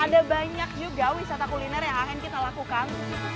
ada banyak juga wisata kuliner yang akan kita lakukan